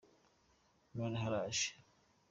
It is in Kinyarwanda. noneho araje